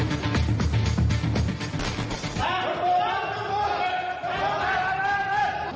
สวัสดีครับ